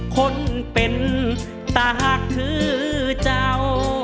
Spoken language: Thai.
คนเป็นตาหักคือเจ้า